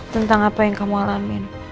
tentang apa yang kamu alamin